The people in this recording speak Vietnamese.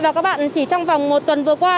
và các bạn chỉ trong vòng một tuần vừa qua